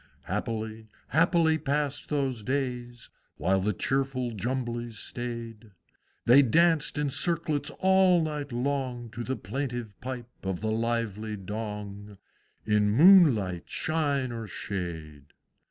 _" Happily, happily passed those days! While the cheerful Jumblies staid; They danced in circlets all night long, To the plaintive pipe of the lively Dong, In moonlight, shine, or shade.